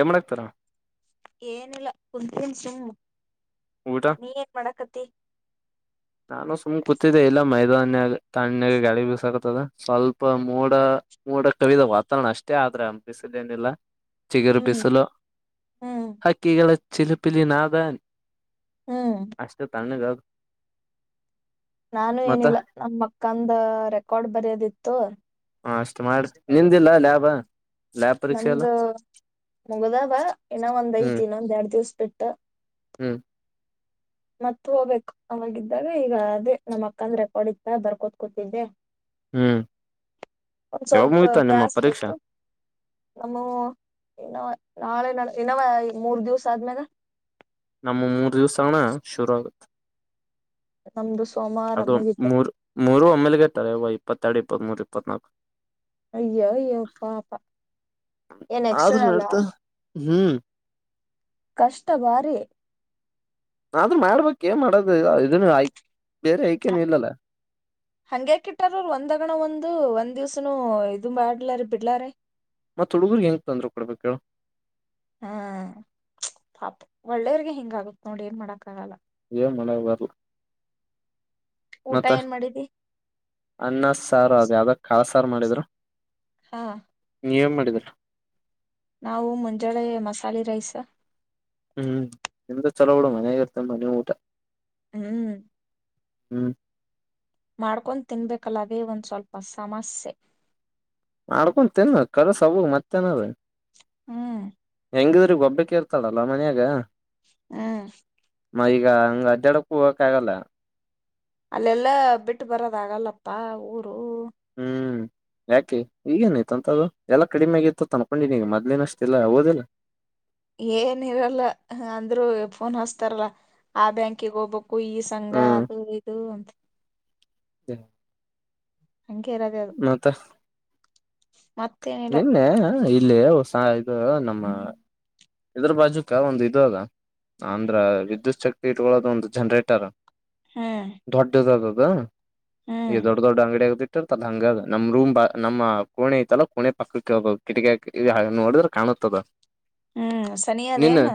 ಏ ಮಾಡಕ್ತಾರ ಏನಿಲ್ಲ ಕುಂತಿದೀನಿ ಸುಮ್ಮ್ ಊಟ ನೀ ಏನ್ ಮಾಡಾಕತಿ ನಾನು ಸುಮ್ನ್ ಕೂತಿದ್ದೆ ಇಲ್ಲ ಮೈದಾನ್ಯಾಗ ತಣ್ಣಗೆ ಗಾಳಿ ಬಿಸಕತದ ಸ್ವಲ್ಪ ಮೋಡ ಮೋಡ ಕವಿದ ವಾತಾವರಣ ಅಷ್ಟೇ ಆದ್ರೆ ಅನ್ಪಿಸಿದ್ದೇನಿಲ್ಲ ಚಿಗರು ಹ್ಮ್ ಬಿಸಲು ಹ್ಮ್ ಹಕ್ಕಿಗಳ ಚಿಲುಪಿಲಿ ನಾದ ಹ್ಮ್ ಅಷ್ಟ್ ತಣ್ಣಗ ನಾನು ಮತ್ತ ಏನಿಲ್ಲ ನಮ್ ಅಕ್ಕಂದ ರೆಕಾರ್ಡ್ ಬರಯೋದಿತ್ತು ಹಾ ಅಷ್ಟು ಮಾಡ್ರಿ ನಿಂದಿಲ್ಲ ಲ್ಯಾಬ ಲ್ಯಾಬ್ ಪರೀಕ್ಷೆ ಎಲ್ಲ ನಂದ ಮುಗ್ದಾವ ಇನ್ನ ಒಂದ್ ಹ್ಮ್ ಐತಿ ಇನ್ನೊಂದ್ ಎರಡ್ ದಿವ್ಸ ಬಿಟ್ಟ ಹ್ಮ್ ಮತ್ ಹೋಗ್ಬೇಕು ಅವಾಗಿದ್ದಾಗ ಈಗ ಅದೇ ನಮ್ಮ್ ಅಕ್ಕಂದ ರೆಕಾರ್ಡ್ ಇತ್ತ ಬರ್ಕೋತ್ ಕೂತಿದ್ದೆ ಹ್ಮ್ ಒಂದ್ ಯಾವಾಗ ಮುಗಿತಾ ನಿಮ್ಮ ಪರೀಕ್ಷಾ ನಮ್ಮವ ಇನ್ನು ನಾಳೆ ನಾಡಿದ್ ಇನ್ನವ ಮೂರ್ ದಿವ್ಸ ಆದ್ಮೇಲೆ ನಮ್ಮ ಮೂರ್ ದಿವ್ಸ ಹಣ ಶುರು ಆಗತ್ ನಮ್ದು ಸ್ ಅದು ಮೂರ್ ಮೂರು ಒಮ್ಮೆಲ್ಗತಾರೆ ವೈ ಇಪ್ಪತ್ತೆರಡ್ ಇಪ್ಪತ್ತ್ಮೂರ್ ಇಪ್ಪತ್ನಾಲ್ಕ್ ಅಯ್ಯೋ ಅಯ್ಯೋ ಪಾಪ ಏನ್ ಆದ್ರೂ ಎಕ್ಸ್ಟರ್ನಲ್ಲಾ ನಡ್ತ ಹ್ಮ್ ಕಷ್ಟಭಾರಿ ಆದ್ರೂ ಮಾಡ್ಬೇಕ್ ಏನ್ ಮಾಡದ ಇದನ್ನು ಆಯ್ಕ್ ಹಂಗ್ಯಾಕ ಇಟ್ಟಾರ ಒಂದಗಣ ಒಂದು ಒಂದ್ ದಿವ್ಸನ ಇದು ಬಾಡಲ್ಲಾರೆ ಬಿಡ್ಲಾರೆ ಮತ್ತತ್ ಹುಡುಗರ್ಗ್ ಹೆಂಗ ತಂದ್ರು ಕೊಡ್ಬೇಕು ಹೇಳು ಹ್ಮ ಪಾಪ ಒಳ್ಳೆಯವರ್ಗೆ ಹಿಂಗ ಆಗತ್ ನೋಡಿ ಏನ್ ಮಾಡಕ್ ಆಗಲ್ಲ ಮನ ಬರ್ಲ್ಲ ಊಟ ಮತ್ತೆ ಏನ್ ಮಾಡಿದಿ ಅನ್ನ ಸಾರು ಅದು್ ಯಾವ್ದ ಕಾಳ ಸಾರು ಮಾಡಿದ್ರು ಹಾ. ನೀವ ಮಾಡಿದ್ರ. ನಾವು ಮುಂಜಳೆ ಮಸಾಲೆ ರೈಸ. ಹ್ಮ್ ನಿಮ್ದು ಚಲೋ ಉಡುು ಮನ್ಯಾಗಾಗಿ ಇರ್ತ ಮನ ಊಟ. ಹ್ಮ್. ಹ್ಮ್. ಮಾಡ್ಕೊಂಡ್ ತಿನ್ಬೇಕಲ್ಲದೇ ಒಂದ್ ಸ್ವಲ್ಪ ಸಮಸ್ಯೆ. ಮಾಡಡ್ಕೊ ತಿನ್ ಕಲಸ ಹ ಮತ್ತೇನ ಹ್ಮ್ ಹೆಂಗಿದ್ರೆ ಗೊಬ್ಬೆ ಕೇಳ್ತಾಳಲ್ಲ ಮನ್ಯಾಗ ಹ್ಮ್ ಮ ಈಗ ಹಂಗ ಅಜ್ಜಾಡಕ್ ಹೋಗಕ ಆಗಲ್ಲ ಅಲ್ಲೆಲ್ಲಾ ಬಿಟ್ಟು ಬರೋದ ಆಗಲ್ಲಪ್ಪ ಊರು ಹ್ಮ್ ಯಾಕೆ ಈಗೇನಾಯ್ತ ಅಂತದ್ದು ಎಲ್ಲಾ ಕಡಿಮೆ ಆಗಿತ್ತು ತನ್ಕೊಂಡಿನಿ ಈಗ ಮೊದ್ಲಿನಷ್ಟ ಇಲ್ಲ ೋದಿಲ್ಲ ಏನ ಇರಲ್ಲ ಅಂದ್ರರು ಫೋನ್ ಹಸ್ತಾರಲ್ಲ ಆ ಬ್ಯಾಂಕಿಗೆ ಹೋಗ್ಬಬೇಕಕ್ ಕುಯ ಸಂಘ ಅದು ಇದು ಹ ಹಂಗೆ ರದೇ ಅದು ಮತ್ತೇನಿಲ್ಲ ನಿನ್ನೆ. ಇಲ್ಲಿ ಹೊಸ ಇದು ನಮ್ಮ. ಇದ್ರ ಬಾಜುಕ ಒಂದ ಇ ಅದ ಅಂದ್ರ ವಿದ್ಯುತ್ ಶಕ್ತಿ ಇಟ್ಕೊಳ್ಳಳೋದು ಒಂದು ಜನ್ರೇಟರ್. ಹ್ಮ್ ಧೊಡ್ಡದ. ಬ. ಈ ಹ್ಮ್ ದೊಡ್ಡ ದೊಡ್ಡ ಅಂಗಡಿ ಆಗತಿತಿ ರ್ತದ ಹಂಗ ನಮ್ಮ್ ರೂಮ್ ನಮ್ಮ ಕೋೆಐತಲ್ಲ ಕೋೆ ಪಕ್ಕಕ್ಕೆ ಹೋಗ ಕಿಟಕ ನೋಡಿದ್ರೆ ಕಾಣುತ್ತದ. ಹ್ಮ್ ಸನಿಯಾದೇನು.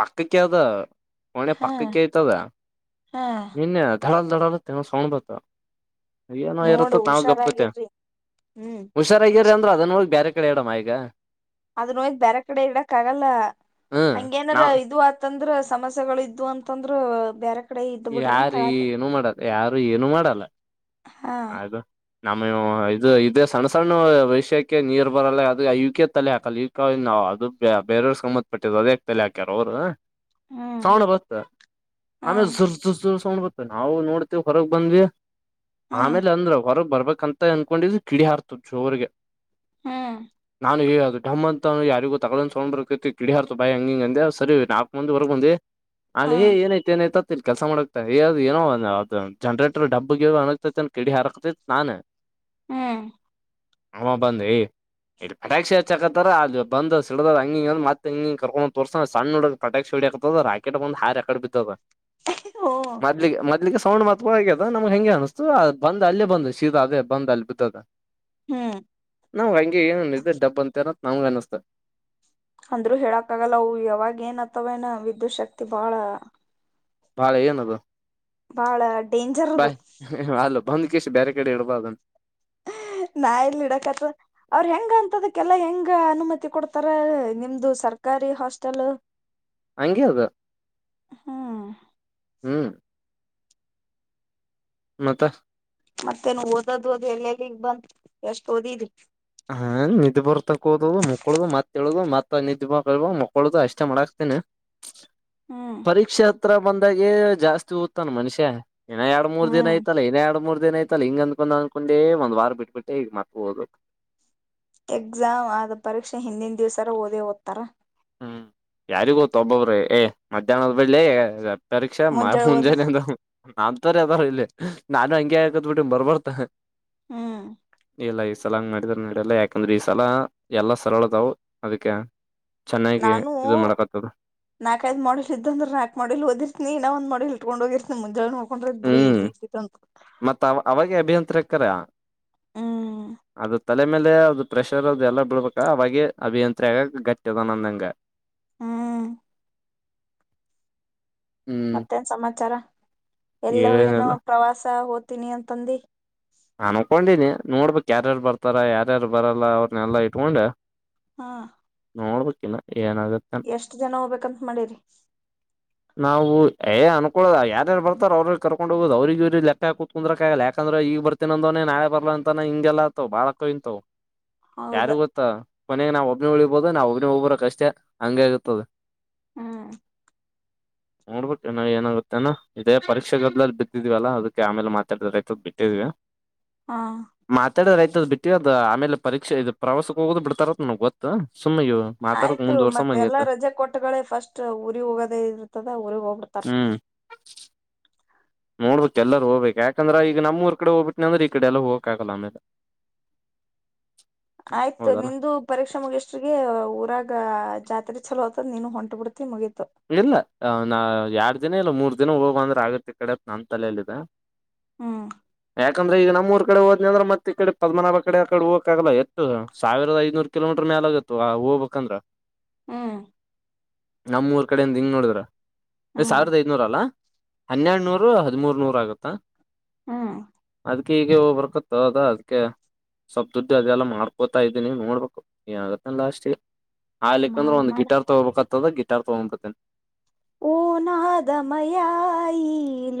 ಪಕ್ಕಕ್ಕೆಾವದ ಒಣೆ ಪಕ್ಕಕ್ಕೆ ಐ್ತದ ಹಾ ನಿನ್ನೆ ಧಡಲ್ ಧಡಲ್ ತಣ ಸಣುಬತ. ಏನೋ ನೋಡು ಇರುತ್ತ ನಾವ್ ಗಪ್ಪತ್ತ ಹುಷಾರಾಗಿರ್ರಿ ಹ್ಮ್ ಹುಷಾರಾಗ. ಅಂದ್ರ ಅದನ್ೊಳಗ್ ಬೇರೆ ಕಡೆ ಇಡಮ್ಮ ಈಗ. ಅದ ನೋಯ್. ಬೇರೆ ಕಡೆ ಇಡಕ್ ಆಗಲ್ಲ ಹ್ಮ್ ಹಂಗೇನಾರ ನಾವ್ ಇದು ಆತಂದ್ರ. ಸಮಸ್ಯೆಗಳ ಇದ್ವು ಅಂತಂದ್ರ ಬರೆ. ಯಾರ ಏನು ಮಾಡಲ್ಲ ಯಾರು ಏನು ಮಾಡಲ್ಲ. ಹಾ ಆಯದುು. ನಮ್ಮ ಇದು ಇ ಸಣ್ಣ ಸಣ್ಣ ವಷ್ಯಕ್ಕೆ ನೀರ್ ಬರಲ್ಲ ಅದ ಇಕ ತಲೆ ಹಾಕಲ್ಲ ಇವ ಅದು ಬೇರೆಯ್ರ ಸಂಮ್ಮತ್ಪಟ್ಟ್ ಅದೇ ತಲೆ ಹಾಕ್ಯಾರ ಅವರು. ಹ್ಮ್ ತಾವೊಂಡ ಬರ್ ಹಾ ಆಮೇ ುರ್ುರ್ುರ್. ನ್ಬ ನಾವು ನೋಡ್ತಿೀವ್ ಹೊರಗ್ ಬಂದ್ವಿ. ಹಾ ಆಮೇಲೆ ಅಂದ್ರರು ಹೊರಗ್ ಬರ್ಬೇಕಕ್ ಂತ ಅನ್ಕೊಂಡಿದು ಕಿಡಿ ಹಾರ್ತದ ಜೋರ್ಗೆ ಹ್ಮ್ ನ ಅದು ಡಮ್ ಅಂತ ಯಾರಿಗು ತಗೊೊಂಡ್ ಸಕೊಂಡತಿ ಕಿಡಿಿಯಾರತು ಬಾಯಿ ಹಂಗಿಂಗ ಅಂದೆ ಸರಿ ನಾಲ್ಕ್ ಮಂದ ವರೆಗ ಬಂದಿ ಹಾ ಅಲ್ಲಿ ಹೇ ಏನಾಯ್ತ ಏನಾಯ್ತ ಕೆಲಸ ಮಾಡಕ್ದು ಏನೋದು ಜನ್ರೇಟರ್ ಡಬ್ಬಗೆ. ಕಡಿ ಹಾರಕ್ತ ನಾನ. ಹ್ಮ್. ಆ ಬಂದಿ ಇಲ್ಲಿ ಪಟಾಕ್ಷಿ ಹಚ್ಚಾಕತಾರ ಅಲ್ಲಿ ಬಂದ್ ಸಿಡದ ಹಂಗಿಂಗ ಮತ್ತೆ ಹಂಗಿ ಕರ್ಕೊಂಡ್ ತೋರ್ಸ ಸಣ್ಣ ಹುಡ ಪಟಾಕ್ಷಿ ಹೊಡಿ ಆಾಕತದ ರಾಕೆಟ್ ಬಂದಂದು ಹಾರಿಕಡೆ ಬಿದ್ದದ. ಹೂ ಮೊದ್ಲಿಿಗೆ ಮದ್ಲಿಕ್ಕೆ. ಸೌ್ತ್ವಾ ಆಗ್ಯದಮಗೆಂ ಅನ್ತ. ಬಂದ್ ಅಲ್ಲೇ ಬಂದು ಶೀತಾ ಅದೇ ಬಂದ್ ಅಲ್ಲಿ ಬಿದ್ದದ. ಹ್ಮ್ ನಾವವು ಹಂಗೆ ಏನನುಿದ್ದೆ ಡಬ್ಬ ಅಂತ ಏನ. ನಮಗೆ ಅನ್ನ್ತ. ಅಂದ್ೂ ಹೇಳಕ್ಕ ಆಗಲ್ಲ ಅವು ಯಾವಾಗ ಏನ್ತವ ಏನ ವಿದ್ಯುತ್ ಶಕ್ತಿ ಬಾಳ. ಭಾಳೆ ಏನುದು. ಬಾಳ ಡೇಂಜರ್ದು. ಬಂದ್ಕೇಶು ಬೇರೆ ಕಡೆ ಇಡಬ ಅ. ನಾ ಎಲ್ಲಿ ಇಡಕತ್ ಅವ್ರ ಹೆಂಗ ಅಂತದಕ್ಕೆಲ್ಲಾ ಹೆಂಗ ಅನುಮತಿ ಕೊಡ್ತಾರ ನಿಮ್ದು ಸರ್ಕಾರಿ ಹಾಸ್ಟೆಲ್. ಅಗೆ ಹದು ಹ್ಮ್ ಹ್ಮ್. ಮತ್ತ. ಮತ್ತೆನು ಓದೋದ್ ಓದ್ ಎಲ್ಲ ಎಲ್ಲಿಗ್ ಬಂತ ಎಷ್ಟ್ ಓದಿದ್ರಿ. ಹಾ ನಿದ್ದೆ ಬರ್ತಕ್ಕ ಹೋದದು ಮುಕ್ಕೊದು ಮತ್ತತ್ೇಳಳದು ಮತ್ತ ನಿದ್ದ ಬಬ ಮಕ್ಕಳದು ಅಷ್ಟೇ ಮಾಡಾಕ್ತೇನ. ಹ್ಮ್ ಪರೀಕ್ಷಾ. ಹತ್ರ ಬಂದಾಗೆ ಜಾಸ್ತಿ ಓದ್ತಾನ ಮನುಷ್ಯ. ಇನ್ನ ಎರಡು ಮೂರ್ ದಿನ ಐತಲ್ಲ ಇೇ ಎರಡು ಮೂ ದಿನ. ಇದೇನಾಯ್ತಲ್ಲ ಹಂಗ ಅಂದಕೊಂಡ್ ಅನ್ಕೊಂಡ ಒಂದ್ ವಾರ ಬಿಟ್ಬಟ್ಟ ಈಗ ಮಕ್ ಹೋ್. ಎಕ್ಸಾಮ್ ಆದ ಪರೀಕ್ಷೆ ಹಿಂದಿನ ದಿವ್ಸರ ಓದೇ ಓದ್ತಾರ. ಹ್ಮ್ ಯಾರಿಗೂತ್ತ ಒಬ್ಬಬ್ರೀ ಏ ಮಧ್ಯಾಹ್ನದ್ ಬಳ್ಳಿ. ಪರೀಕ್ಷಾ ಮಾಡ ಮುಂಜಾಳೆ ಓದ ಮುಂಜೆನಂತ. ನನ್ ತರ ಅದ್ರ ಇಲ್ಲಿ ನಾನು ಹಂಗೆ ಆಾಕತ್ ಬಿಟ್ಟ ಬರ್ಬರ್ತ. ಹ್ಮ್. ಇಲ್ಲ ಈ ಸಲ ಮಾಡಿದ್ರ ನಡಲ್ಲ ಯಾಕಂದ್ರೆ ಈ ಸಲ ಎಲ್ಲಾ ಸರಳದಾವವು ಅದಕ್ಕೆ. ಚೆನ್ನಾಗಿ ನಾನು ಇದು ಮಾಡಕತ್ತದ ನಾಕ್ ಐದ್ ಮಾಡೆಲ್ ಇದ್ದಂದ್ರೆ ನಾಕ್ ಮಾಡಲ್ ಓದರ್ತನಿ ಇನ್ನ ಒಂದ್ ಮಾಡ ಹ ಇಟ್ಕೊಂಡ ಹೋಗಿರ್ ಮುಂಜೆ ಹಕೊಂಡ್ರದ ಬಿುಡ ಹ್ಮ್ ಈಜಿ ಇದಂತ ತಕರ ಅದು ತಲೆ ಮೇಲೆ ಅದು ಪ್ರೆಷರ್ ಅ ಎಲ್ಲ ಬಿಳ್ಬೇಕ ಅವಾಗ ಅಭಿಯಂತ್ರಿ ಆಗ ಗಟ್ಟದ ನಂದಂಗ ಹ್ಮ್ ಹ್ಮ್ ಮತ್ತೇನ್ ಸಮಾಚಾರ ಎಲ್ಲೋ ಏನೋ ಏನಿಲ್ಲ ಪ್ರವಾಸ ಹ ತಿನಿ ಅಂತಂದೆ. ನಾನ್ಕೊಂಡಿನಿ ನೋಡ್ಬೇಕಕ್ ಯಾರ್ಯಾರ್ ಬರ್ತಾರ ಯಾರ್ಯಾರು ಬರಲ್ಲ ಅವ್ರನೆಲ್ಲಾ ಇಟ್ಕೊಂಡ. ಹಾ. ನೋಡ್ಬೇಕ. ಎಷ್ಟ್ ಜನ ಹೋಗ್ಬೇಕಂತ ಮಾಡಿರಿ. ನಾವು ಏ ಅನ್ಕೋ ಯಾರ ಬರ್ತಾರ ಅವ್ರರು ಕರ್ಕೊಂಡ ಹೋಗೋ್ ಅವ್ರಿಗೆ ಇವ ಲೆಕ್ಕ ಕುತ್ಕಂದ್ರಾಕಂದ್ರೆ ಈಗ ಬರ್ತ. ೊಂದವನ ನಳೆ ಬರ್ಲ ಅಂತನ ಹಿಂಗೆಲ್ಲಾತವ ಬಾಳಕ ಇಂತವು. ಯಾರ ಹೌದ ಗೊತ್ತ. ಮನೆಗೆ ನಾವ್ ಒಬ್ನ ಉಳಿಬೋದು ನಾವ್ ಒಬ್ನ ಹೋಗಬರೋ ಕಷ್ಟೇ ಹಂಗ ಆಗತದೆ. ಹ್ಮ್. ನೋಡ್ಬೇಕುನ ಏನಾಗುತ್ತೆನ ಇದೇ ಪರೀಕ್ಷೆಗೊದ್ಲ್ಲಿ ಬಿದ್ದಿದವ ಅಲ್ಲಾ ಅದಕ್ಕೆ ಆಮೇಲೆ ಮಾತಾಡಿದ ರೈತ ಬಿಟ್ಟಿದ್ವಿ. ಹಾ ಮಾತಾಡರ. ್ ಬಿಟ್ಟ ಅ್ ಆಮೇಲೆ ಪರೀಕ್ಷ ಇದು ಪ್ರವಾಸಕ್ಕೆ ಹೋಗೋ್ ಬಿಡ್ತಾರತ್ ನಗ್ ಗೊತ್ತು ಸುಮ್ಮ್ ಇವು ಮಾತಾಡಕ್ ಆಯ್ತು ಮತ್ತೆಲ್ಲಾ ಮುಂದ್ವರ್ಸಮಗೈತ ರಜೆ ಕೊಟ್ಟಗಳೇ ಫಸ್ಟ್ ಊರಿ ಹೋಗೋದೇ ಇರ್ತದ ಊರಿಗ್ ಹೋಗ್ಬಿಡ್ತಾರ ಹ್ಮ್ ನೋಡ್ಬೇಕಕ್ ಎಲ್ಲಾರ ಹೋಗ್ಬೇಕಕ್ ಯಾಕಂದ್ರ ಈಗ ನಮ್ಮೂಊರ್ ಕಡೆ ಹೋಗ್ಬಿಟ್ಟನ ಅಂದ್ರೆ ಈ ಕಡೆ ಎಲ್ಲ ಹೋಗಕ್ ಆಗಲ್ಲ ಆಮೇಲೆ ಆಯ್ತು ಹೌದಲ್ಲ ನಿಂದು ಪರೀಕ್ಷೆ ಮುಗಷ್ಟಿಗೆ ಊರಾಗ ಈಗ ಜಾತ್ರೆ ಚಲೋ ಆ್ತದ ನೀನು ಹೊಂಟಟ್ ಬಿಡ್ತಿ ಮುಗತಿ ಇಲ್ಲ ನಾ ಎರ ದಿನ ಇಲ್ಲ ಮೂರ್ ದಿನ ಹೋಗ್ ಅಂದ್ರ ಆಗತ್ತೆ ಕಡೆ ನ ತಲಲ್ಲಿದೆ ಹ್ಮ್ ಯಾಕಂದ್ರೆ ಈಗ ನಮ್ಮ ೂರ್ ಕಡೆ ಹೋದ್ ಅಂದ್ರ ಮತ್ತ ಈ ಕಡೆ ಪದ್ಮಮನಾಭ ಕಡೆ ಆ ಕಡೆ ಹೋಗಕಾಗಲ್ಲ ಎಷ್ಟು ಸಾವಿರದ ಐನೂ ಕಿಲೋಮೀಟರ್ ಮೇಾಲ ಆಗತ್ತು ಆ ಹೋಗ್ಬೇಕಂದ್ರ ಹ್ಮ್ ನಮ್ಮೂರು ಈ ಕಡೆಯಿಂದ ಹಿಂಗ ನೋಡ್ರ ನೀ ಸಾವಿರದ ಐದನೂರ ಅಲ್ಲಾ ಹನ್ನೆರಡುನೂರು ಹದಿಮೂರು ನೂರು ಆಗುತ್ತಾ ಹ್ಮ ಅದ್ ಈೀಗೆ ಹಬರ್ಕತ್ತ ಅದ ಅದ್ ಸೊಪ್ಪ ದುಡ್ಡು ಅದೆಲ್ಲ ಮಾಡ್ಕೋತಾ ಇದ್ದೀನಿ ನೋಡ್ಬೇಕು ಆಗತ್ತ ಲಾಸ್ಟ್ ಹಾಲಿಕ್ ಅಂದ್ರೆ ಮಾಡ ಒಂದು ಮಾಡ ಗಿಟಾರ್ ತಗೋಬೇಕಕ್ತದ ಗಿ. ತ ಹ ಓ ನಾದಮಯಾಇ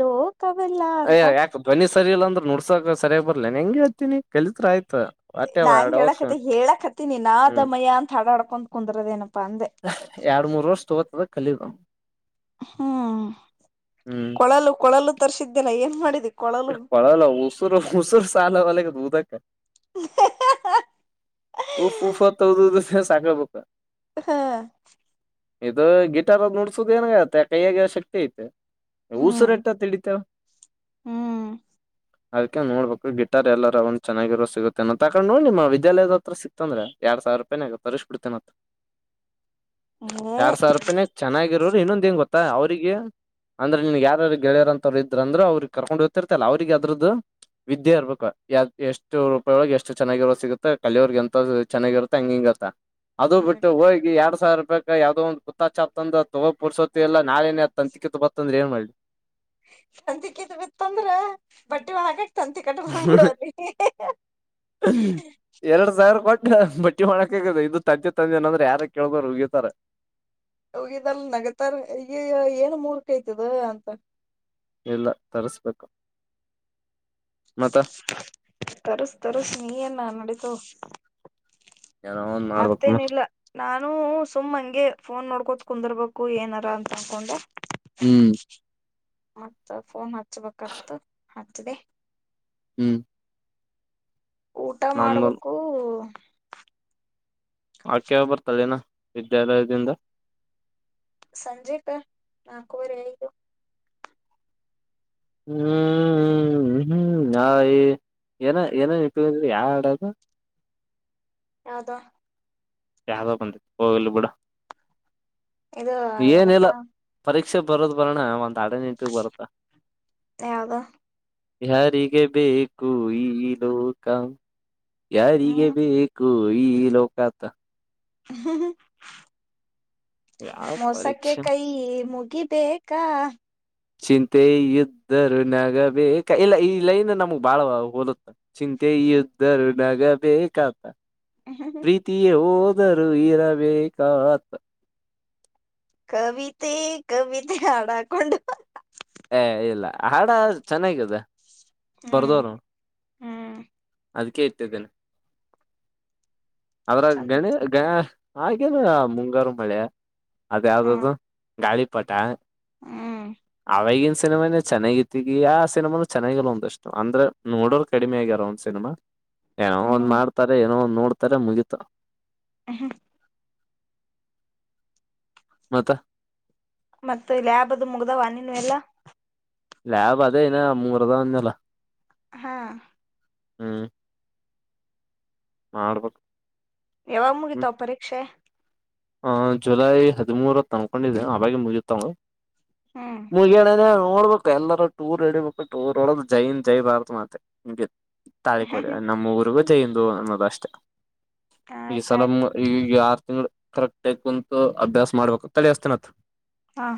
ಲೋಕ ಲೋಕವಲ್ಲಾ ಅಂತ ಅಯ್ಯ ಯಾಕ ಧ್ವನಿ ಸರಿ ಇಲ್ಲ ಅಂದ್ರ ನುಡ್ಸಕ ಸರಿಯಾಗಿ ಬರ್ಲೇ ಏನ ನಿಂಗ ಹೇಳತೀನಿ ಕಲ್ತ್ರ ಆಯತು ನಾ ಹಂಗ ಹೇಳಕತ್ತ ಹೇಳಕತ್ತಿನ ಹ್ಮ್ ನಾದಮಯ ಅಂತ ಹಾಡ ಹಾಡ್ಕೊಂತ ಕುಂದ ಕುಂದ್ರ ದೇನ ಎರಡ್ ಮೂರ್ ವರ್ಷ ತಗೋತದ ಕಲಿಯುಗ ಹ್ಮ್ ಹ್ಮ್ ಕೊಳಲು ಕೊಳಲು ತರಿಸಿದ್ದೇಲ್ಲ ಏನ್ ಮಾಡಿದಿ ಕೊಳಲು ಕೋಳಲ್ ಉಸುರು ಉಸುರು ಸಾಲ ಒಲ್ಲೆಗದ ದಕ್ಕ ಹ್ಮ್ಮ್. ಸಾಗ ಬಕ ಹಾ ಇದು ಗಿಟಾರ್ ನುಡಿಸುದು ಏನಾಗತ್ತೆ ಕೈಯಾಗ ಶಕ್ತಿ ಐತೆ ಹ್ಮ್ ಉಸುರಟ್ಟ ಎಷ್ಟ ಅಂತ ಹಿಡಿತಿ ಹೇಳ ಹ್ಮ್ ಅದಕ ನೋಡ್ಬೇಕು ಗಿಟಾರ್ ಎಲ್ಲಾರ ಒಂದ್ ಚೆನಾಗಿರೋ ಸಿಗುತ್ತೆ ಏನೋ ತಕೊಂಡ್ ನೋಡಿ ನಿಮ್ಮ ವಿದ್ಯಾಲಯದಗ ತ್ರ ಸಿಕ್ಂದ್ರೆ ಎರಡ್ ಸಾವಿರ ರೂಪಾಯಿನಾಗ ತರಿಸ್ಬಿಡ್ತೇನ ಏ ಎರಡ್ ಸಾವಿರ ರೂಪಾಯ ಚೆನ್ನಾಗಿರೋದ ಇರು ಇನ್ನೊಂದ ಏನ್ ಗೊತ್ತಾ ಅವ್ರರಿಗೆ ಅಂದ್ರೆ ನಿನ್ ಯಾರ ಗೆಳೆಯರ ಅಂತ ಅವ್ರು ಇದ್ರಂದ್ರರು ಅವ್ರಿಗೆ ಕರ್ಕೊಂಡ್ ತರ್ತೀಯಲ್ಲ ಅವ್ರರಿಗೆ ಅದ್ರದ್ದು ವಿದ್ಯೆ ಇರ್ಬೇಕು ಎಷ್ಟು ರೂಪಾಯಿಯೋಳಗೆ ಎಷ್ಟು ಚೆನ್ನಾಗಿರೋದ ಸಿಗುತ್ತೆ ಕಲ್ಲಿಯವರ್ಗ್ ಎಂತ ಚೆನ್ನಾಗಿ ಇರತ್ತೆ ಹಂಗ ಹಂಗ ಇರ್ತ್ತ ಅದು ಬಿಟ್ಟು ಹೋಗಿ ಎರಡ್ ಎರಡು ಸಾವಿರ್ ರೂಪಾಯಿಕ ಯಾವ್ದೋ ಒಂದು ಗುತ್ತಾ ಚಾಪ್ ತಂದ್ರ ತಗೋ ಪುರ್ಸೋತಿ ಇಲ್ಲ ನಾಳೆನೇ ತಂತಿಕ ಕಿತ್ತೊಗೋತ್ತ ಅಂದ್ರೆ ಏನ್ ಮಾಡಿಲಿ ತಂತಿಕ್ಕತ್ ಬಿತ್ತಂದ್ರ ಬಟ್ಟೆ ಒಣಹಾಕಕ ತಂತಿ ಕಟ್ಟ ಬಂದ ಬಿಡತತಿ ಎರಡ್ ಸಾವಿರ ಕೊಟ್ಟ ಬಟ್ಟಿ ಮಾಡಕ ಆಗ ಇದು ತಂದಜೆ ತಂದೆ ಅನಂದ್ರೆ ಯಾರ ಕೇಳಬರು ಉಗೀತಾರ ಹೋಗಿದಲ್ ನಗತ್ತಾರ ಈ ಏನ್ ಮೂರ್ಕಐ್ತದ ಅಂತ ಇಲ್ಲ ತರಿಸಬೇಕು ತರಸ ತರಸ ನೀ ಏನ ನಡೀತದ ಏನೋ ಒಂದ್ ಮಾಡ್ಬೇಕಮ್ಮ ಮತ್ತೇನಿಲ್ಲ ನಾನು ಸುಮ್ಮ್ ಹಂಗೆ ಫೋನ್ ನೋಡ್ ಕೂತ್ ಕುಂದಿರ್ಬೇಕು ಏನಾರ ಅಂತ ಅನ್ಕೊಂಡ ಹ್ಮ್ ಮತ್ತ ಫೋನ್ ಹಚ್ಬೇಕತ್ತು ಹಚ್ಚ್ದ ಹ್ಮ್ ಊಟ ನಮ್ದು ಮಾಡ್ಬೇಕು ಆಕ್ಯಾವ ಬರ್ತದೇನ ವಿದ್ಯಾಲಯದಿಂದ ಸಂಜೆಕ್ಕ ನಾಲ್ಕೂವರೆ ಐದು ಹ್ಮ್ ಹ್ಮ್ ನಾ ಎ ಏನ ಏನ [unintelligible] ಯಡದು ಅದ ಯಾದ ಬಂದ ಹೋಗಲ್ಲ ಬುಡ ಇದು ಏನಿಲ್ಲ ಏನಪ್ಪಾ ಪರೀಕ್ಷೆ ಬರೋದು ಬರೋಣ ಒಂದ್ ಅಡೆ ನಿಂಟಿಗೆ ಬರುತ್ತ ಯಾವ್ದ ಯಾರಿಗೆ ಬೇಕು ಈ ಲೋಕ ಯಾರಿಗೆ ಹ್ಮ್ ಬೇಕು ಇ ಹ ಈ ಲೋಕತ [unintelligible] ಯಾವ ಮೋಸಕ್ಕೆ ಪರೀಕ್ಷೆ ಕೈ ಮು ಗಿ ಬೇಕಾ ಚಿಂತೆ ಇದ್ದರು ನಗಬೇಕ ಇಲ್ಲ ಈ ಲೈನ್ ನಮ್ಗ್ ಬಾಳ ಹೋಲುತ್ತ ಚಿಂತೆ ಯುದ್ಧರು ನಗ ಬೇಕಾ ಅಂತ ಪ್ರೀತಿ ಯೋವ್ ದರೂ ಇರಬೇಕಾ ಆತ ಕವಿತೆ ಕವಿತೆ ಹಾಡಾಕೊಂಡು ಏ ಇಲ್ಲ ಹಾಡ ಚೆನ್ನಾಗಿದೆ ಹ್ಮ್ ಬರದೋನು ಹ್ಮ್ ಅದಕೆ ಇಟ್ಟಿದೇನೆ ಅದ್ರಗ ಬೇರೆ ಚಂದ ಗ. ಹಾಗೇನು ಮುಂಗಾರು ಮಳೆ ಅದ ಯಾವ್ದ್ ಹಾ ಅದು ಗಾಳಿ. ಪಟ ಹ್ಮ್ ಅವವಾಗಿನ ಸಿನಿಮಾನೇ ಚೆನ್ನಾಗಿತ್ತಗಿ ಆ ಸಿನಿಮಾನು ಚೆನ್ನಾಗಿಲ್ ಒಂದಷ್ಟು ಅಂದ್ರೆ ನೋಡೋರ್ ಕಡಿಮೆ ಆಗ್ಯಾರ ಒಂದ್ ಸಿನಿಮಾ ಏನೋ ಹ್ಮ್ ಒಂದ್ ಮಾಡ್ತಾರೆ ಏನೋ ಒಂದ್ ನೋಡ್ತಾರ ಮುಗಿತ ಉಹ್ಮ್ ಮತ ಮತ್ತೆ ಲ್ಯಾಬುದು ಮುಗ್ದಾವ ನಿನವ್ ಎಲ್ಲಾ ಲಾಬ್ ಅದೇ ನ ಮೂರುದ ಅಂದಲ್ಲ ಹಾ ಹ್ಮ್ ಮಾಡ್ಬೇಕ್ ಎವಗ್ ಮುಗಿತವ್ ಪರಿಕ್ಷೆ. ಆ ಜುಲೈ ಹದಿಮೂರ ತನ್ಕೊಂಡಿದ್ದ ಆವಗಿ ಮುಗಿತವ್ ಹ್ಮ್ ಮುರ್ಗಿಯಣ ನೋಡ್ಬೇಕಕ್ ಎಲ್ಲಾರ ಟೂರ್ ರಡಿಬೇಕು ಟೂರ್ ನೋಡ ಜೈನ್ ಜೈ ಬಾರತ್ ಮತ್ತೆ ಹಂಗಿತ್. ತಾಳಿ ಕೊಡೆ ನಮ್ಮ ಊರಿಗ್ ಬಂದ್ ತೆ ಇಂದು ಅನ್ನದ್ ಅಷ್ಟೆ ಈ ಆಯ್ತಾಯ್ತು ಸಲಾಂದ ಈಗ್ ಯಾರ್ [unintelligible] ಕರೆಕ್ಟ್ ಆ ಕುಂತು ಅಭ್ಯಾಸ ಮಾಡ್ಬೇಕಕ್ ತಳಿಸ್ತೇನತ್ ಹಾ